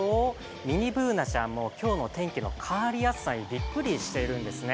ミニＢｏｏｎａちゃんも今日の天気の変わりやすさにびっくりしてるんですね。